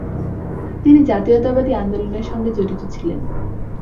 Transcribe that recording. তিনি জাতীয়তাবাদী আন্দোলনের সঙ্গে জড়িত ছিলেন।